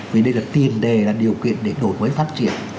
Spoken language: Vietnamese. vì đây là tiền đề là điều kiện để đổi mới phát triển